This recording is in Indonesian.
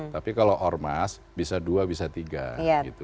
tapi kalau ormas bisa dua bisa tiga gitu